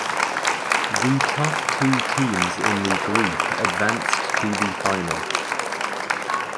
The top two teams in the group advanced to the final.